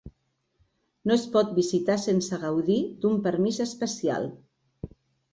No es pot visitar sense gaudir d'un permís especial.